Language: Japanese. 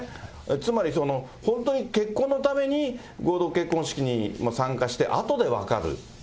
つまり本当に結婚のために合同結婚式に参加して、あとで分かる。